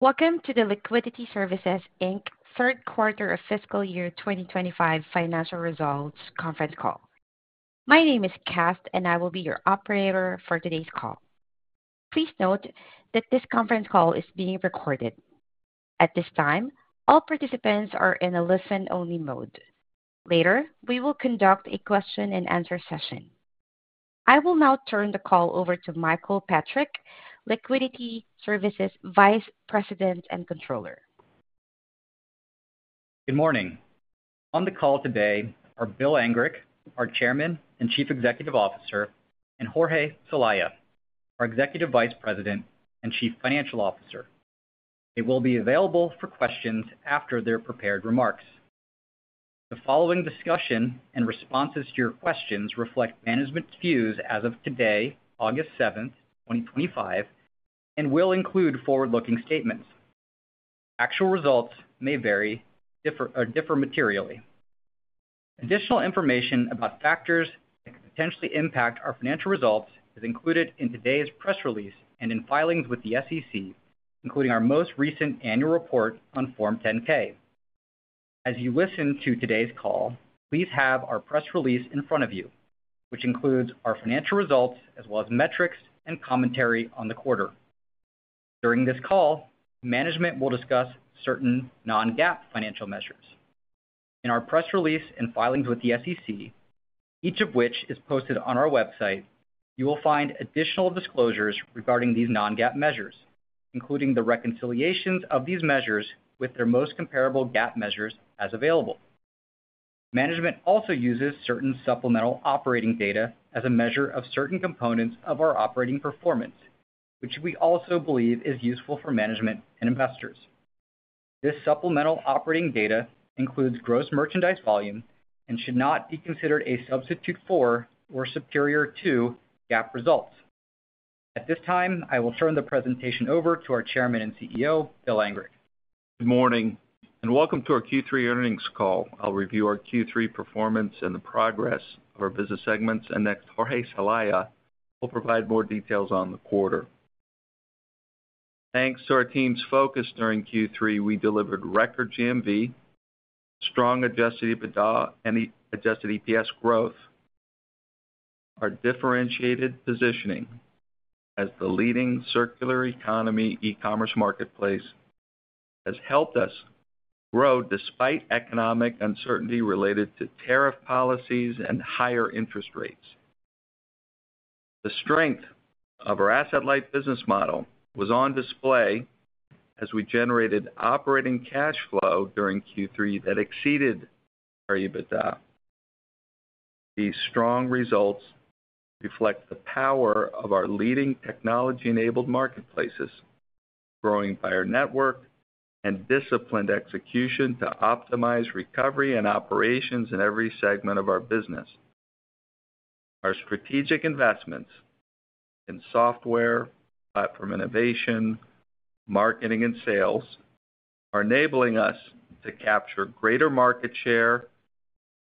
Welcome to the Liquidity Services, Inc. third quarter of fiscal year 2025 financial results conference call. My name is Kath, and I will be your operator for today's call. Please note that this conference call is being recorded. At this time, all participants are in a listen-only mode. Later, we will conduct a question-and-answer session. I will now turn the call over to Michael Patrick, Liquidity Services Vice President and Controller. Good morning. On the call today are Bill Angrick, our Chairman and Chief Executive Officer, and Jorge Celaya, our Executive Vice President and Chief Financial Officer. They will be available for questions after their prepared remarks. The following discussion and responses to your questions reflect management's views as of today, August 7th, 2025, and will include forward-looking statements. Actual results may vary or differ materially. Additional information about factors that could potentially impact our financial results is included in today's press release and in filings with the SEC, including our most recent annual report on Form 10-K. As you listen to today's call, please have our press release in front of you, which includes our financial results as well as metrics and commentary on the quarter. During this call, management will discuss certain non-GAAP financial measures. In our press release and filings with the SEC, each of which is posted on our website, you will find additional disclosures regarding these non-GAAP measures, including the reconciliations of these measures with their most comparable GAAP measures as available. Management also uses certain supplemental operating data as a measure of certain components of our operating performance, which we also believe is useful for management and investors. This supplemental operating data includes gross merchandise volume and should not be considered a substitute for or superior to GAAP results. At this time, I will turn the presentation over to our Chairman and CEO, Bill Angrick. Good morning and welcome to our Q3 earnings call. I'll review our Q3 performance and the progress of our business segments, and next Jorge Celaya will provide more details on the quarter. Thanks to our team's focus during Q3, we delivered record GMV, strong adjusted EBITDA, and adjusted EPS growth. Our differentiated positioning as the leading circular economy e-commerce marketplace has helped us grow despite economic uncertainty related to tariff policies and higher interest rates. The strength of our asset-light business model was on display as we generated operating cash flow during Q3 that exceeded our EBITDA. These strong results reflect the power of our leading technology-enabled marketplaces, growing by our network and disciplined execution to optimize recovery and operations in every segment of our business. Our strategic investments in software, platform innovation, marketing, and sales are enabling us to capture greater market share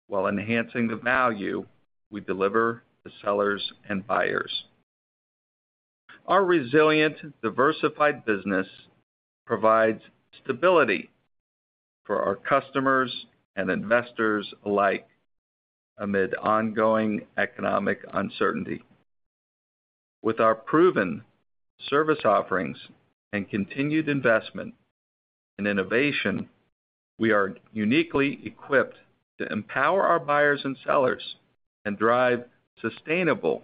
while enhancing the value we deliver to sellers and buyers. Our resilient, diversified business provides stability for our customers and investors alike amid ongoing economic uncertainty. With our proven service offerings and continued investment in innovation, we are uniquely equipped to empower our buyers and sellers and drive sustainable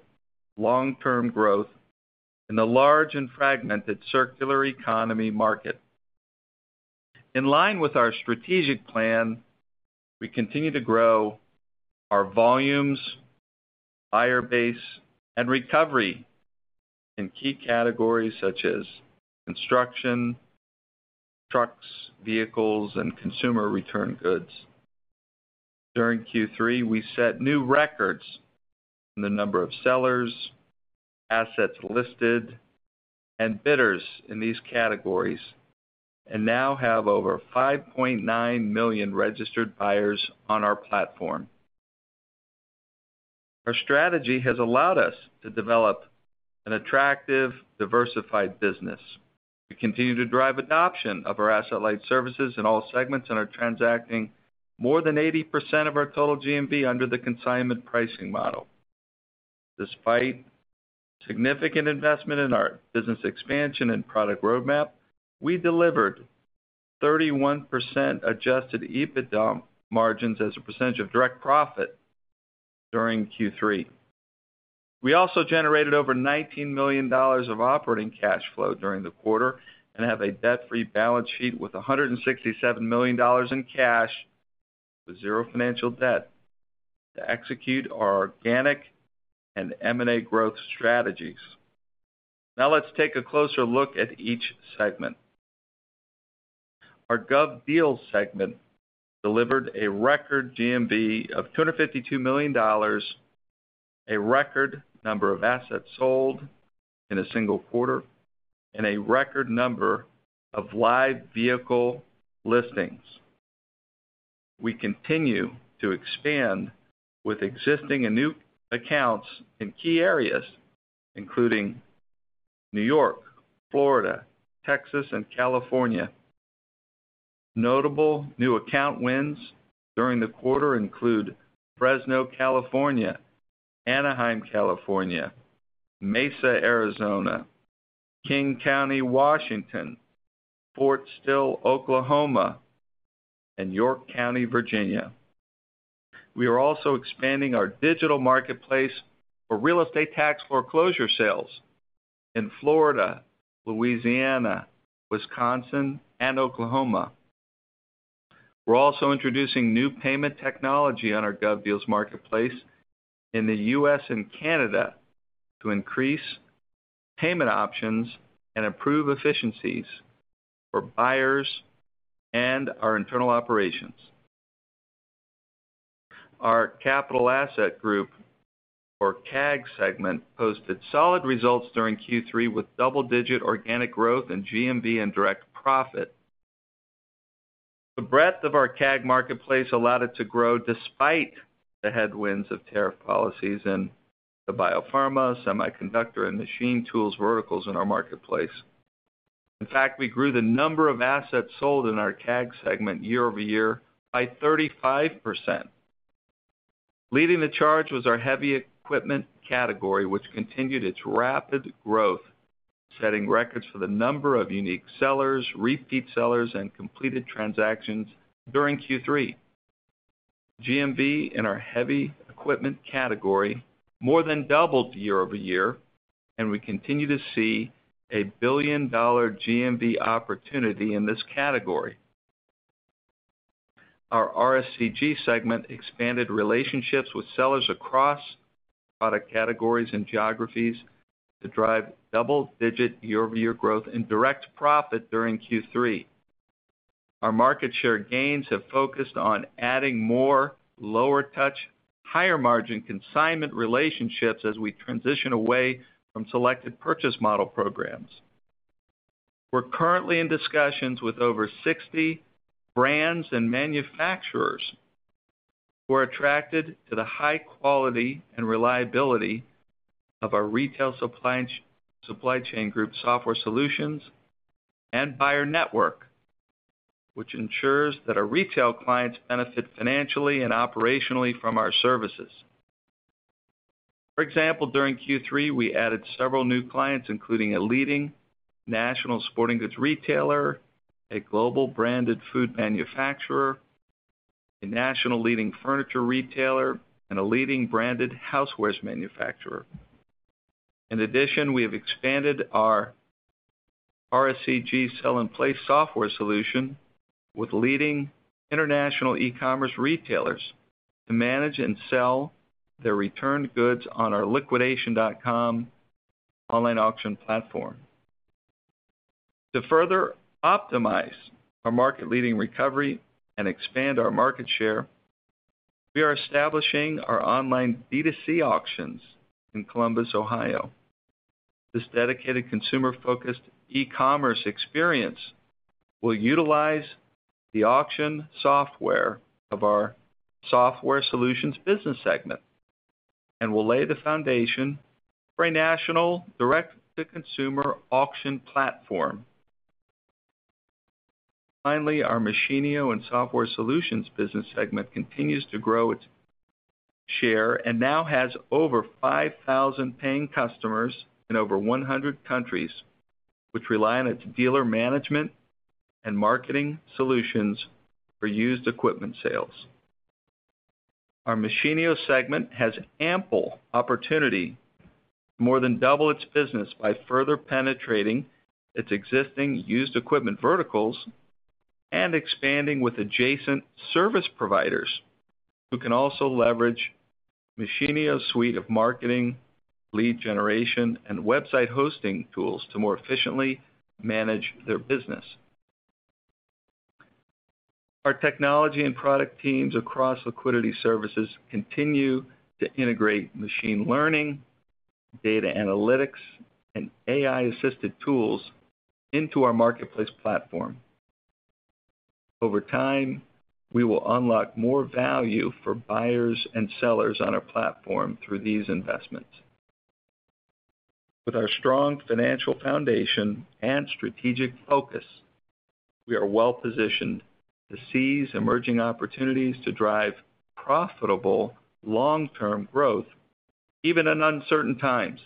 long-term growth in the large and fragmented circular economy market. In line with our strategic plan, we continue to grow our volumes, buyer base, and recovery in key categories such as construction, trucks, vehicles, and consumer return goods. During Q3, we set new records in the number of sellers, assets listed, and bidders in these categories and now have over 5.9 million registered buyers on our platform. Our strategy has allowed us to develop an attractive, diversified business. We continue to drive adoption of our asset-light services in all segments and are transacting more than 80% of our total GMV under the consignment pricing model. Despite significant investment in our business expansion and product roadmap, we delivered 31% adjusted EBITDA margins as a percentage of direct profit during Q3. We also generated over $19 million of operating cash flow during the quarter and have a debt-free balance sheet with $167 million in cash with zero financial debt to execute our organic and M&A growth strategies. Now let's take a closer look at each segment. Our GovDeals segment delivered a record GMV of $252 million, a record number of assets sold in a single quarter, and a record number of live vehicle listings. We continue to expand with existing and new accounts in key areas, including New York, Florida, Texas, and California. Notable new account wins during the quarter include Fresno, California, Anaheim, California, Mesa, Arizona, King County, Washington, Fort Sill, Oklahoma, and York County, Virginia. We are also expanding our digital marketplace for real estate tax foreclosure sales in Florida, Louisiana, Wisconsin, and Oklahoma. We're also introducing new payment technology on our GovDeals marketplace in the U.S. and Canada to increase payment options and improve efficiencies for buyers and our internal operations. Our Capital Asset Group, or CAG, segment posted solid results during Q3 with double-digit organic growth in GMV and direct profit. The breadth of our CAG marketplace allowed it to grow despite the headwinds of tariff policies in the biopharma, semiconductor, and machine tools verticals in our marketplace. In fact, we grew the number of assets sold in our CAG segment year-over-year by 35%. Leading the charge was our heavy equipment category, which continued its rapid growth, setting records for the number of unique sellers, repeat sellers, and completed transactions during Q3. GMV in our heavy equipment category more than doubled year-over-year, and we continue to see a billion-dollar GMV opportunity in this category. Our RSCG segment expanded relationships with sellers across product categories and geographies to drive double-digit year-over-year growth in direct profit during Q3. Our market share gains have focused on adding more lower-touch, higher-margin consignment relationships as we transition away from selected purchase model programs. We're currently in discussions with over 60 brands and manufacturers who are attracted to the high quality and reliability of our Retail Supply Chain Group software solutions and buyer network, which ensures that our retail clients benefit financially and operationally from our services. For example, during Q3, we added several new clients, including a leading national sporting goods retailer, a global branded food manufacturer, a national leading furniture retailer, and a leading branded housewares manufacturer. In addition, we have expanded our RSCG sell-in-place software solution with leading international e-commerce retailers to manage and sell their returned goods on our liquidation.com online auction platform. To further optimize our market-leading recovery and expand our market share, we are establishing our online B2C auctions in Columbus, Ohio. This dedicated, consumer-focused e-commerce experience will utilize the Auction Software of our software solutions business segment and will lay the foundation for a national direct-to-consumer auction platform. Finally, our Machinio and software solutions business segment continues to grow its share and now has over 5,000 paying customers in over 100 countries, which rely on its dealer management and marketing solutions for used equipment sales. Our Machinio segment has ample opportunity to more than double its business by further penetrating its existing used equipment verticals and expanding with adjacent service providers who can also leverage the Machinio suite of marketing, lead generation, and website hosting tools to more efficiently manage their business. Our technology and product teams across Liquidity Services continue to integrate machine learning, data analytics, and AI-assisted tools into our marketplace platform. Over time, we will unlock more value for buyers and sellers on our platform through these investments. With our strong financial foundation and strategic focus, we are well-positioned to seize emerging opportunities to drive profitable long-term growth, even in uncertain times.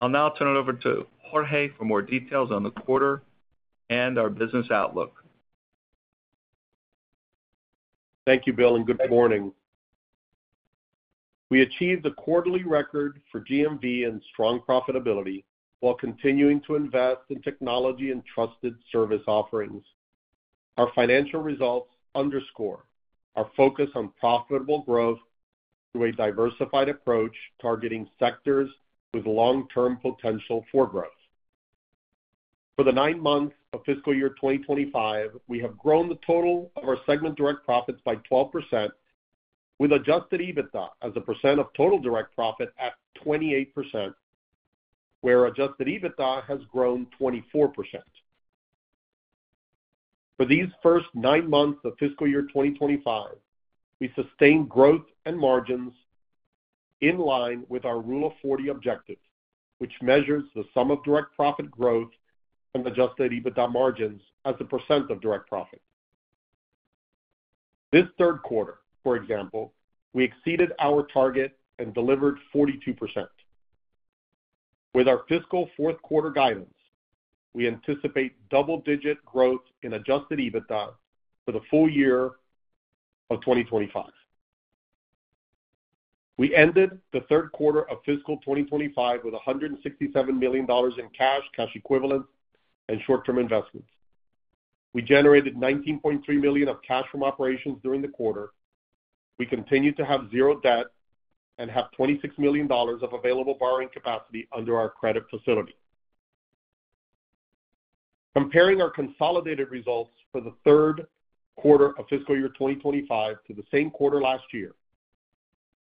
I'll now turn it over to Jorge for more details on the quarter and our business outlook. Thank you, Bill, and good morning. We achieved the quarterly record for GMV and strong profitability while continuing to invest in technology and trusted service offerings. Our financial results underscore our focus on profitable growth through a diversified approach targeting sectors with long-term potential for growth. For the nine months of fiscal year 2025, we have grown the total of our segment direct profits by 12%, with adjusted EBITDA as a percent of total direct profit at 28%, where adjusted EBITDA has grown 24%. For these first nine months of fiscal year 2025, we sustained growth and margins in line with our Rule of 40 objective, which measures the sum of direct profit growth and adjusted EBITDA margins as a percent of direct profit. This third quarter, for example, we exceeded our target and delivered 42%. With our fiscal fourth quarter guidance, we anticipate double-digit growth in adjusted EBITDA for the full year of 2025. We ended the third quarter of fiscal 2025 with $167 million in cash, cash equivalents, and short-term investments. We generated $19.3 million of cash from operations during the quarter. We continue to have zero debt and have $26 million of available borrowing capacity under our credit facility. Comparing our consolidated results for the third quarter of fiscal year 2025 to the same quarter last year,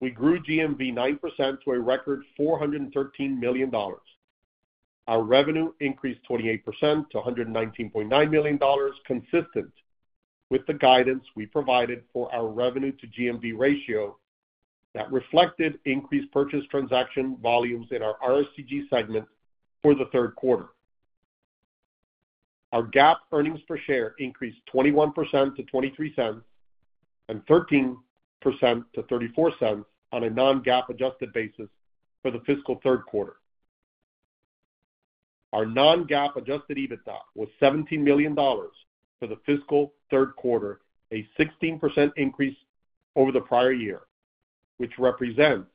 we grew GMV 9% to a record $413 million. Our revenue increased 28% to $119.9 million, consistent with the guidance we provided for our revenue-to-GMV ratio that reflected increased purchase transaction volumes in our RSCG segment for the third quarter. Our GAAP earnings per share increased 21% to $0.23 and 13% to $0.34 on a non-GAAP adjusted basis for the fiscal third quarter. Our non-GAAP adjusted EBITDA was $17 million for the fiscal third quarter, a 16% increase over the prior year, which represents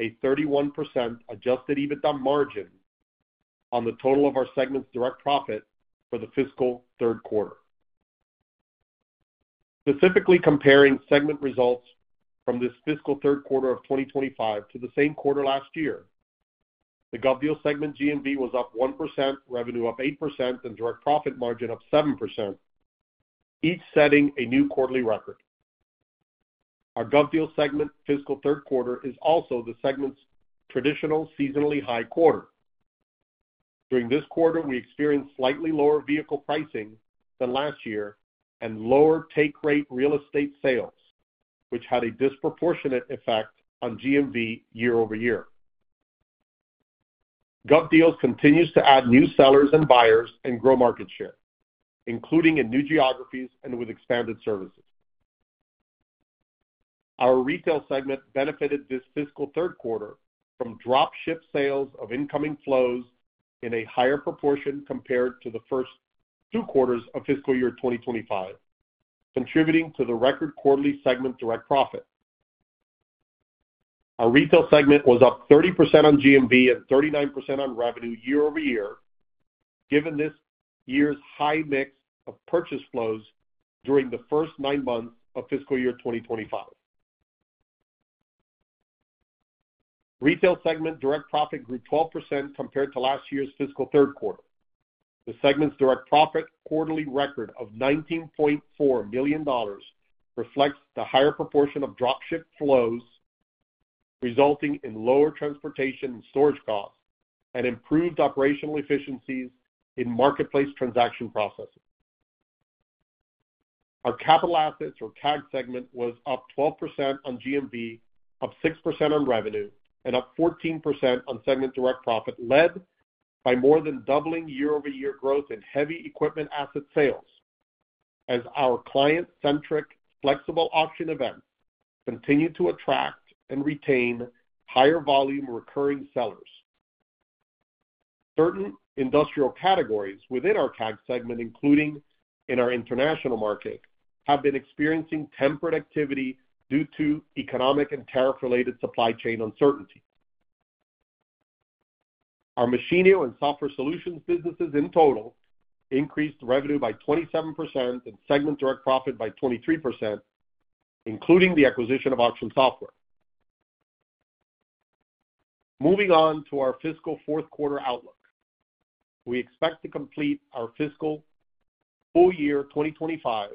a 31% adjusted EBITDA margin on the total of our segment's direct profit for the fiscal third quarter. Specifically comparing segment results from this fiscal third quarter of 2025 to the same quarter last year, the GovDeals segment GMV was up 1%, revenue up 8%, and direct profit margin up 7%, each setting a new quarterly record. Our GovDeals segment fiscal third quarter is also the segment's traditional seasonally high quarter. During this quarter, we experienced slightly lower vehicle pricing than last year and lower take-rate real estate sales, which had a disproportionate effect on GMV year-over-year. GovDeals continues to add new sellers and buyers and grow market share, including in new geographies and with expanded services. Our retail segment benefited this fiscal third quarter from drop ship sales of incoming flows in a higher proportion compared to the first two quarters of fiscal year 2025, contributing to the record quarterly segment direct profit. Our retail segment was up 30% on GMV and 39% on revenue year-over-year, given this year's high mix of purchase flows during the first nine months of fiscal year 2025. Retail segment direct profit grew 12% compared to last year's fiscal third quarter. The segment's direct profit quarterly record of $19.4 million reflects the higher proportion of drop ship flows resulting in lower transportation and storage costs and improved operational efficiencies in marketplace transaction processes. Our capital assets, or CAG, segment was up 12% on GMV, up 6% on revenue, and up 14% on segment direct profit, led by more than doubling year-over-year growth in heavy equipment asset sales, as our client-centric flexible auction events continue to attract and retain higher volume recurring sellers. Certain industrial categories within our CAG segment, including in our international market, have been experiencing tempered activity due to economic and tariff-related supply chain uncertainty. Our Machinio and software solutions businesses in total increased revenue by 27% and segment direct profit by 23%, including the acquisition of Auction Software. Moving on to our fiscal fourth quarter outlook, we expect to complete our fiscal full year 2025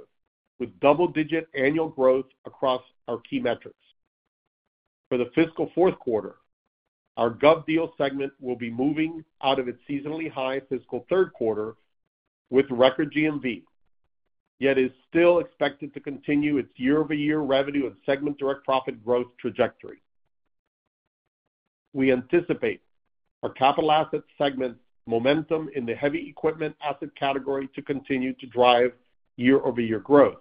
with double-digit annual growth across our key metrics. For the fiscal fourth quarter, our GovDeals segment will be moving out of its seasonally high fiscal third quarter with record GMV, yet is still expected to continue its year-over-year revenue and segment direct profit growth trajectory. We anticipate our capital assets segment momentum in the heavy equipment asset category to continue to drive year-over-year growth.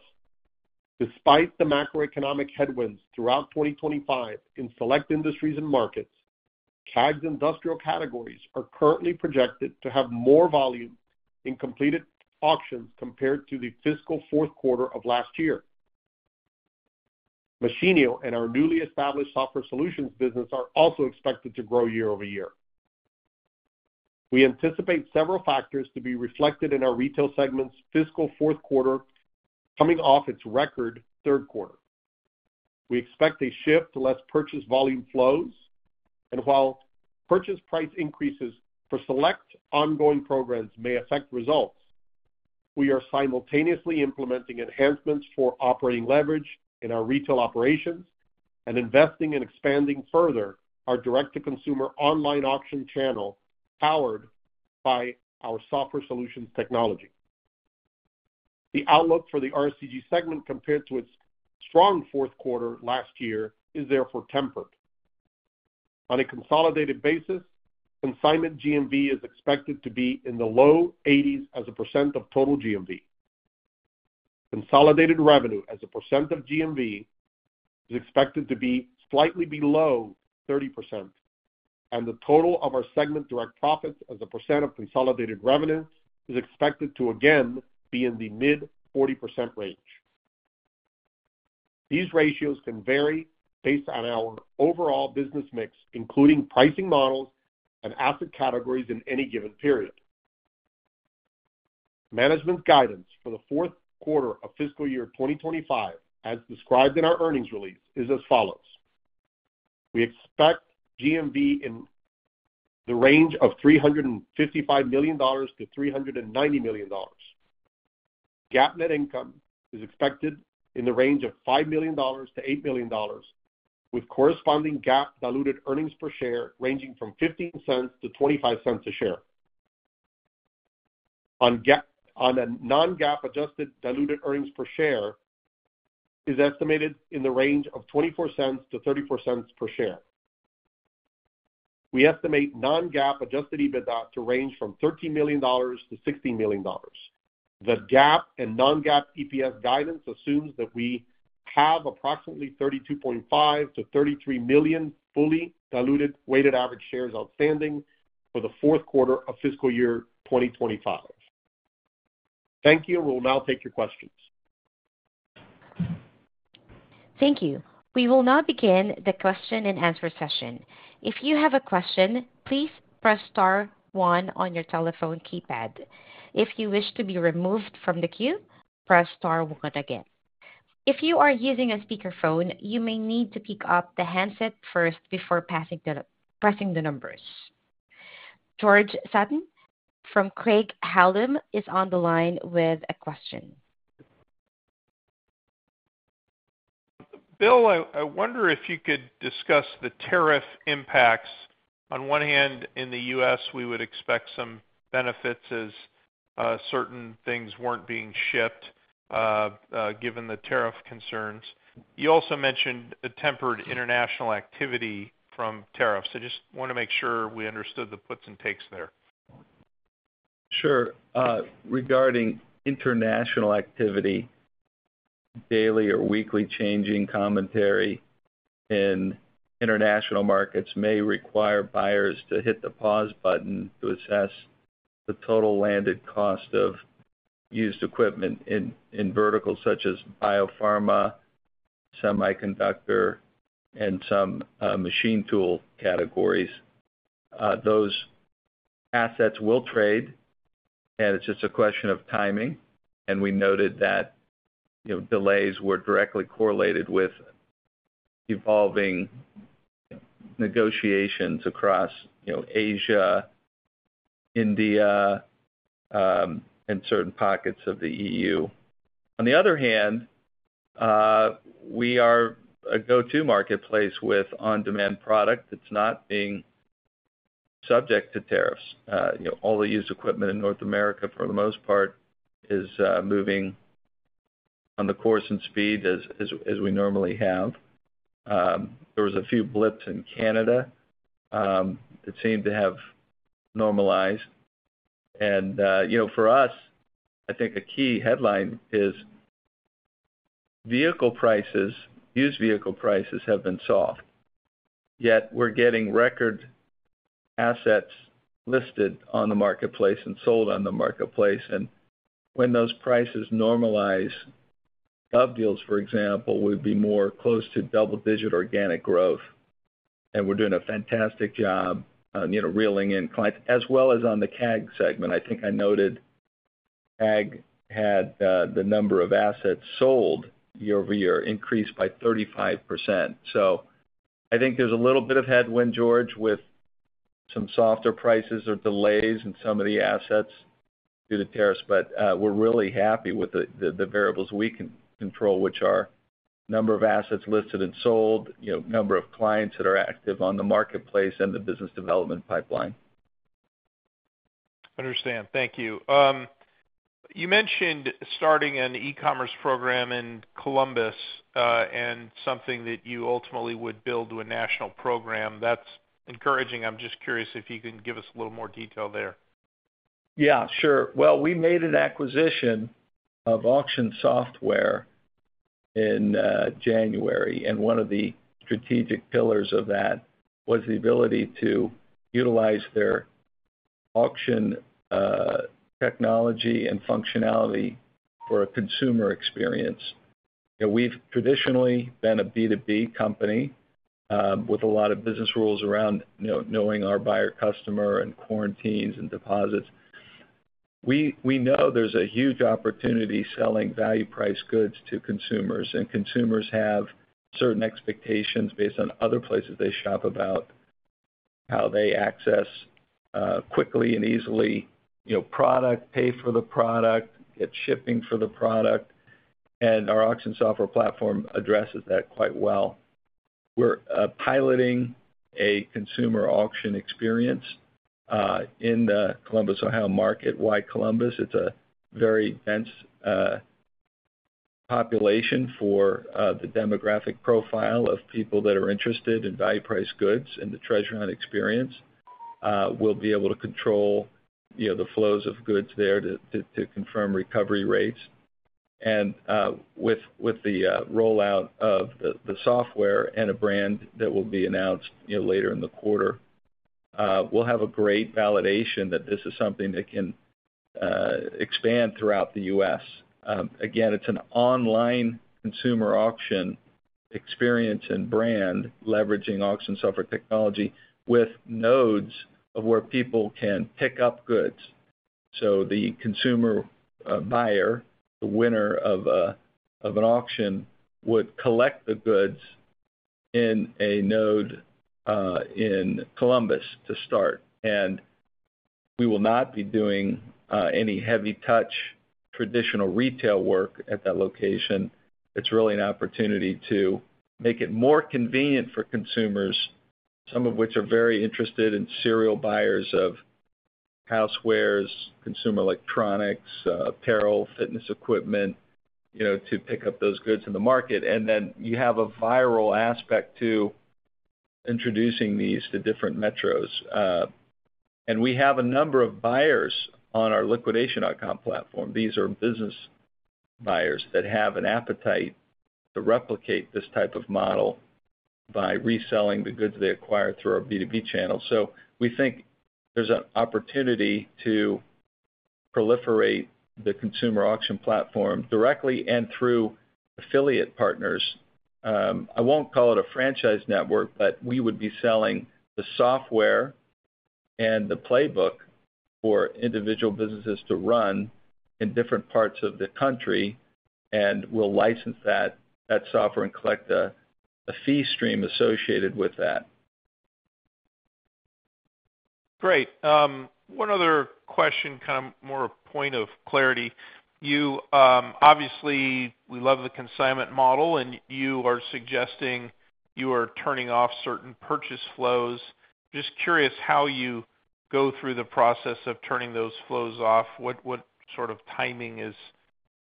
Despite the macroeconomic headwinds throughout 2025 in select industries and markets, CAG's industrial categories are currently projected to have more volume in completed auctions compared to the fiscal fourth quarter of last year. Machinio and our newly established software solutions business are also expected to grow year-over-year. We anticipate several factors to be reflected in our retail segment's fiscal fourth quarter coming off its record third quarter. We expect a shift to less purchase volume flows, and while purchase price increases for select ongoing programs may affect results, we are simultaneously implementing enhancements for operating leverage in our retail operations and investing in expanding further our direct-to-consumer online auction channel powered by our software solutions technology. The outlook for the RSCG segment compared to its strong fourth quarter last year is therefore tempered. On a consolidated basis, consignment GMV is expected to be in the low 80s as a percent of total GMV. Consolidated revenue as a percent of GMV is expected to be slightly below 30%, and the total of our segment direct profits as a percent of consolidated revenue is expected to again be in the mid-40% range. These ratios can vary based on our overall business mix, including pricing models and asset categories in any given period. Management's guidance for the fourth quarter of fiscal year 2025, as described in our earnings release, is as follows. We expect GMV in the range of $355 million-$390 million. GAAP net income is expected in the range of $5 million-$8 million, with corresponding GAAP diluted earnings per share ranging from $0.15-$0.25 a share. On a non-GAAP adjusted diluted earnings per share is estimated in the range of $0.24-$0.34 per share. We estimate non-GAAP adjusted EBITDA to range from $13 million-$16 million. The GAAP and non-GAAP EPS guidance assumes that we have approximately 32.5 million-33 million fully diluted weighted average shares outstanding for the fourth quarter of fiscal year 2025. Thank you, and we will now take your questions. Thank you. We will now begin the question-and-answer session. If you have a question, please press star one on your telephone keypad. If you wish to be removed from the queue, press star one again. If you are using a speakerphone, you may need to pick up the handset first before pressing the numbers. George Sutton from Craig-Hallum is on the line with a question. Bill, I wonder if you could discuss the tariff impacts. On one hand, in the U.S., we would expect some benefits as certain things weren't being shipped, given the tariff concerns. You also mentioned a tempered international activity from tariffs. I just want to make sure we understood the puts and takes there. Sure. Regarding international activity, daily or weekly changing commentary in international markets may require buyers to hit the pause button to assess the total landed cost of used equipment in verticals such as biopharma, semiconductor, and some machine tool categories. Those assets will trade, and it's just a question of timing. We noted that delays were directly correlated with evolving negotiations across Asia, India, and certain pockets of the EU. On the other hand, we are a go-to marketplace with on-demand product that's not being subject to tariffs. All the used equipment in North America, for the most part, is moving on the course and speed as we normally have. There were a few blips in Canada that seem to have normalized. For us, I think a key headline is vehicle prices, used vehicle prices have been soft. Yet we're getting record assets listed on the marketplace and sold on the marketplace. When those prices normalize, GovDeals, for example, would be more close to double-digit organic growth. We're doing a fantastic job reeling in clients as well as on the CAG segment. I think I noted CAG had the number of assets sold year-over-year increased by 35%. I think there's a little bit of headwind, George, with some softer prices or delays in some of the assets due to tariffs. We're really happy with the variables we can control, which are the number of assets listed and sold, number of clients that are active on the marketplace, and the business development pipeline. Understand. Thank you. You mentioned starting an e-commerce program in Columbus and something that you ultimately would build to a national program. That's encouraging. I'm just curious if you can give us a little more detail there. Yeah, sure. We made an acquisition of Auction Software in January, and one of the strategic pillars of that was the ability to utilize their auction technology and functionality for a consumer experience. You know, we've traditionally been a B2B company with a lot of business rules around, you know, knowing our buyer-customer and quarantines and deposits. We know there's a huge opportunity selling value-priced goods to consumers, and consumers have certain expectations based on other places they shop about how they access quickly and easily, you know, product, pay for the product, get shipping for the product. Our Auction Software platform addresses that quite well. We're piloting a consumer auction experience in the Columbus, Ohio market. Why Columbus? It's a very dense population for the demographic profile of people that are interested in value-priced goods and the Treasure Island experience. We'll be able to control, you know, the flows of goods there to confirm recovery rates. With the rollout of the software and a brand that will be announced, you know, later in the quarter, we'll have a great validation that this is something that can expand throughout the U.S. Again, it's an online consumer auction experience and brand leveraging Auction Software technology with nodes of where people can pick up goods. The consumer buyer, the winner of an auction, would collect the goods in a node in Columbus to start. We will not be doing any heavy-touch traditional retail work at that location. It's really an opportunity to make it more convenient for consumers, some of which are very interested in serial buyers of housewares, consumer electronics, apparel, fitness equipment, you know, to pick up those goods in the market. You have a viral aspect to introducing these to different metros. We have a number of buyers on our Liquidation.com platform. These are business buyers that have an appetite to replicate this type of model by reselling the goods they acquire through our B2B channel. We think there's an opportunity to proliferate the consumer auction platform directly and through affiliate partners. I won't call it a franchise network, but we would be selling the software and the playbook for individual businesses to run in different parts of the country, and we'll license that software and collect a fee stream associated with that. Great. One other question, kind of more a point of clarity. You obviously, we love the consignment model, and you are suggesting you are turning off certain purchase flows. Just curious how you go through the process of turning those flows off, what sort of timing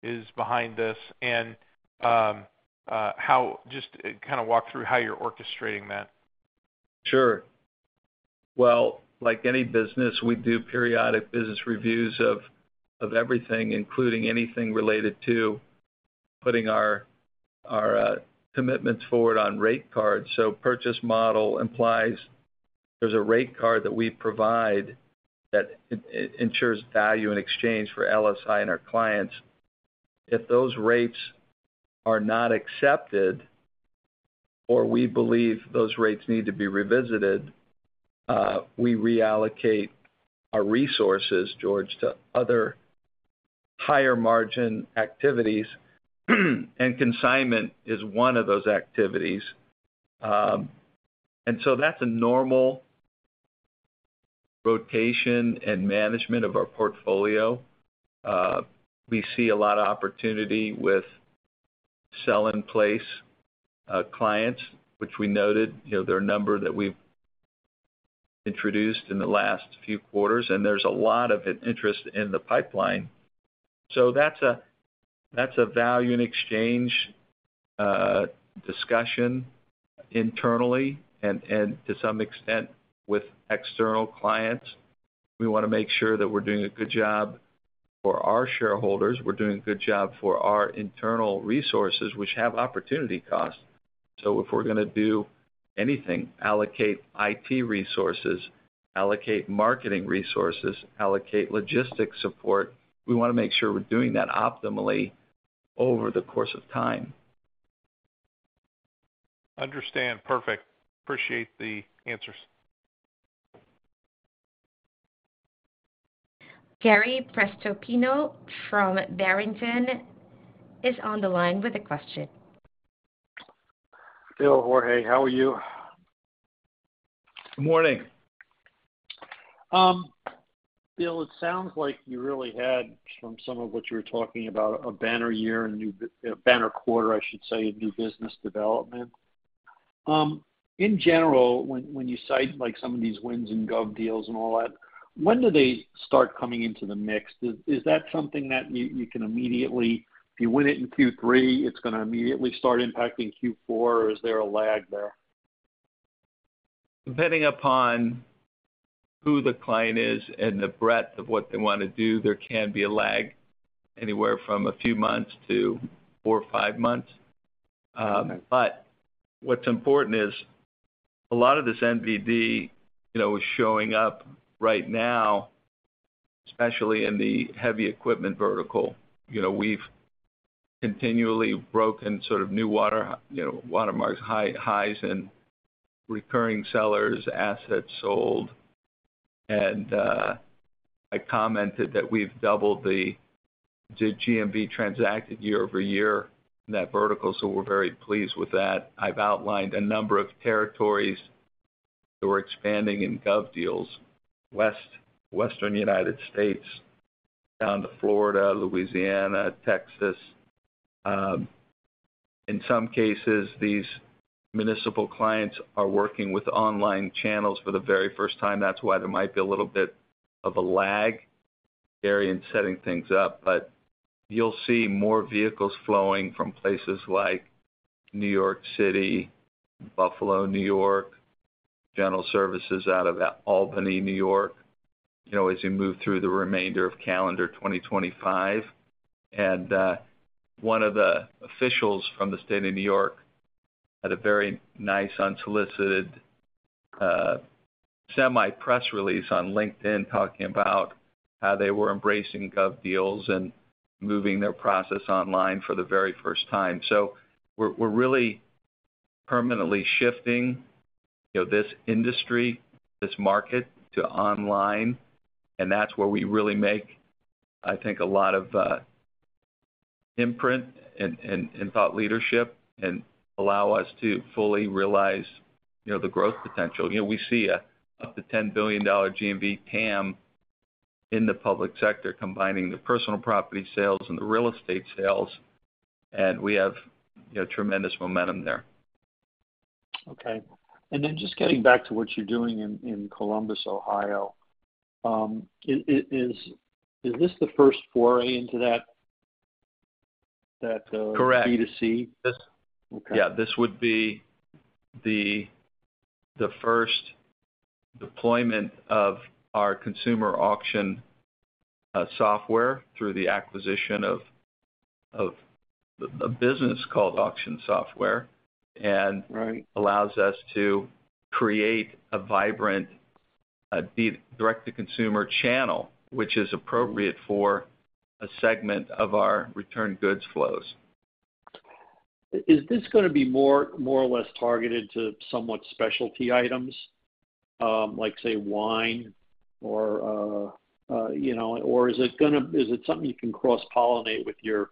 is behind this, and how just kind of walk through how you're orchestrating that. Sure. Like any business, we do periodic business reviews of everything, including anything related to putting our commitments forward on rate cards. Purchase model implies there's a rate card that we provide that ensures value in exchange for LSI and our clients. If those rates are not accepted or we believe those rates need to be revisited, we reallocate our resources, George, to other higher margin activities, and consignment is one of those activities. That's a normal rotation and management of our portfolio. We see a lot of opportunity with sell-in-place clients, which we noted, you know, their number that we've introduced in the last few quarters, and there's a lot of interest in the pipeline. That's a value and exchange discussion internally, and to some extent with external clients. We want to make sure that we're doing a good job for our shareholders. We're doing a good job for our internal resources, which have opportunity costs. If we're going to do anything, allocate IT resources, allocate marketing resources, allocate logistics support, we want to make sure we're doing that optimally over the course of time. Understand. Perfect. Appreciate the answers. Gary Prestopino from Barrington is on the line with a question. Bill, Jorge, how are you? Good morning. Bill, it sounds like you really had, from some of what you were talking about, a banner year and a banner quarter, I should say, of new business development. In general, when you cite like some of these wins in GovDeals and all that, when do they start coming into the mix? Is that something that you can immediately, if you win it in Q3, it's going to immediately start impacting Q4, or is there a lag there? Depending upon who the client is and the breadth of what they want to do, there can be a lag anywhere from a few months to four or five months. What's important is a lot of this NVD is showing up right now, especially in the heavy equipment vertical. We've continually broken sort of new watermarks, high highs, and recurring sellers, assets sold. I commented that we've doubled the GMV transacted year-over-year in that vertical, so we're very pleased with that. I've outlined a number of territories that we're expanding in GovDeals: Western United States, down to Florida, Louisiana, Texas. In some cases, these municipal clients are working with online channels for the very first time. That's why there might be a little bit of a lag, Gary, in setting things up. You'll see more vehicles flowing from places like New York City, Buffalo, New York, General Services out of Albany, New York, as you move through the remainder of calendar 2025. One of the officials from the state of New York had a very nice unsolicited semi-press release on LinkedIn talking about how they were embracing GovDeals and moving their process online for the very first time. We're really permanently shifting this industry, this market to online, and that's where we really make, I think, a lot of imprint and thought leadership and allow us to fully realize the growth potential. We see an up to $10 billion GMV TAM in the public sector, combining the personal property sales and the real estate sales, and we have tremendous momentum there. Okay. Just getting back to what you're doing in Columbus, Ohio, is this the first foray into that B2C? Correct. Yeah, this would be the first deployment of our consumer Auction Software through the acquisition of a business called Auction Software, and allows us to create a vibrant direct-to-consumer channel, which is appropriate for a segment of our returned goods flows. Is this going to be more or less targeted to somewhat specialty items, like, say, wine, or is it going to, is it something you can cross-pollinate with your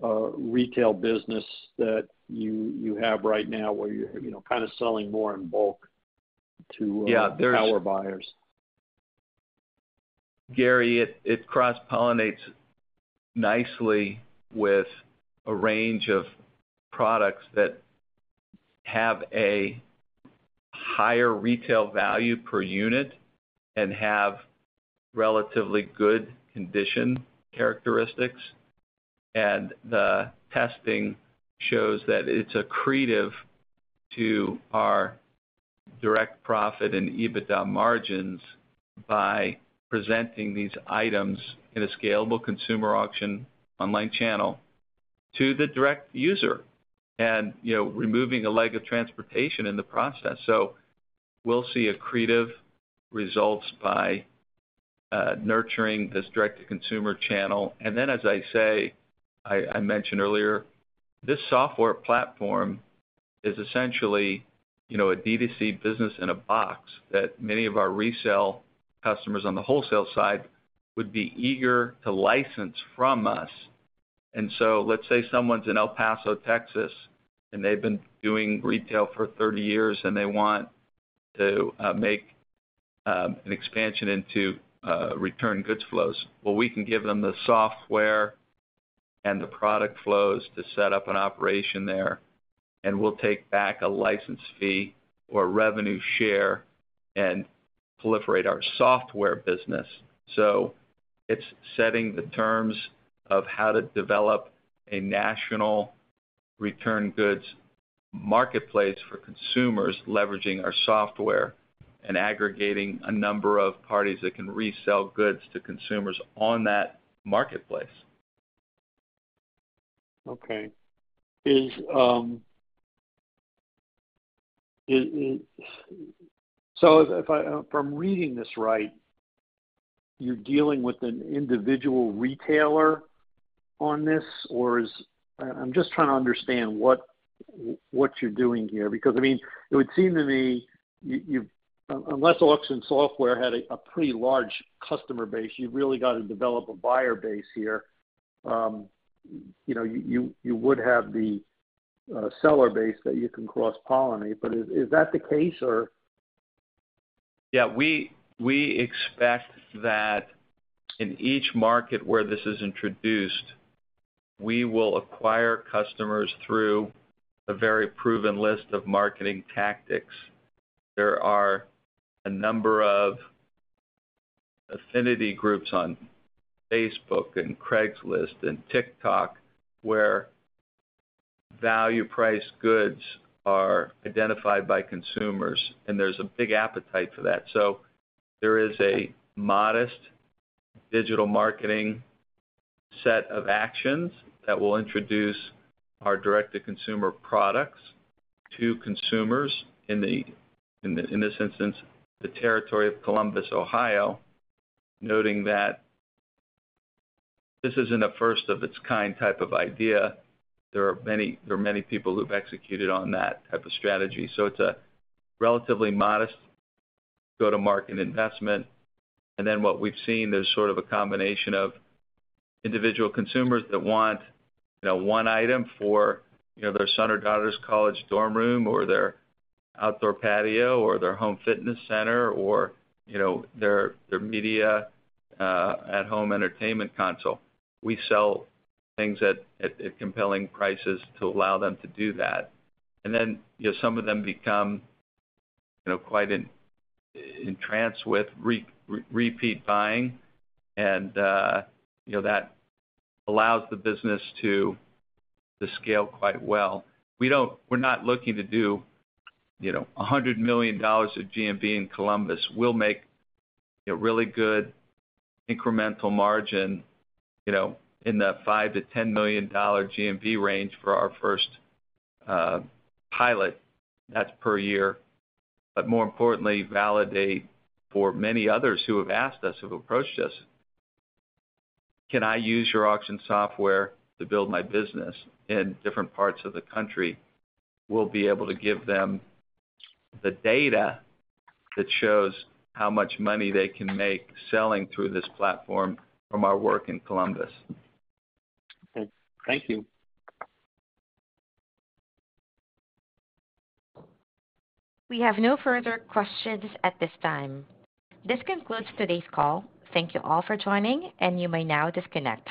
retail business that you have right now where you're kind of selling more in bulk to our buyers? Yeah, Gary, it cross-pollinates nicely with a range of products that have a higher retail value per unit and have relatively good condition characteristics. The testing shows that it's accretive to our direct profit and EBITDA margins by presenting these items in a scalable consumer auction online channel to the direct user and removing a leg of transportation in the process. We'll see accretive results by nurturing this direct-to-consumer channel. As I mentioned earlier, this software platform is essentially a D2C business in a box that many of our resale customers on the wholesale side would be eager to license from us. Let's say someone's in El Paso, Texas, and they've been doing retail for 30 years, and they want to make an expansion into returned goods flows. We can give them the software and the product flows to set up an operation there, and we'll take back a license fee or revenue share and proliferate our software business. It's setting the terms of how to develop a national returned goods marketplace for consumers, leveraging our software and aggregating a number of parties that can resell goods to consumers on that marketplace. Okay. If I'm reading this right, you're dealing with an individual retailer on this, or is, I'm just trying to understand what you're doing here because, I mean, it would seem to me you've, unless Auction Software had a pretty large customer base, you've really got to develop a buyer base here. You know, you would have the seller base that you can cross-pollinate. Is that the case, or? Yeah, we expect that in each market where this is introduced, we will acquire customers through a very proven list of marketing tactics. There are a number of affinity groups on Facebook and Craigslist and TikTok where value-priced goods are identified by consumers, and there's a big appetite for that. There is a modest digital marketing set of actions that will introduce our direct-to-consumer products to consumers in the, in this instance, the territory of Columbus, Ohio, noting that this isn't a first-of-its-kind type of idea. There are many people who've executed on that type of strategy. It's a relatively modest go-to-market investment. What we've seen, there's sort of a combination of individual consumers that want, you know, one item for, you know, their son or daughter's college dorm room or their outdoor patio or their home fitness center or, you know, their media at-home entertainment console. We sell things at compelling prices to allow them to do that. Some of them become, you know, quite entranced with repeat buying, and, you know, that allows the business to scale quite well. We don't, we're not looking to do, you know, $100 million of GMV in Columbus. We'll make, you know, really good incremental margin, you know, in that $5 million-$10 million GMV range for our first pilot. That's per year. More importantly, validate for many others who have asked us, who have approached us, "Can I use your Auction Software to build my business in different parts of the country?" We'll be able to give them the data that shows how much money they can make selling through this platform from our work in Columbus. Okay, thank you. We have no further questions at this time. This concludes today's call. Thank you all for joining, and you may now disconnect.